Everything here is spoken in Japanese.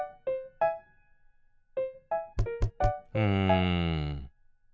うん。